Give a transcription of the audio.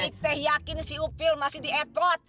nih teh yakin si upil masih di epot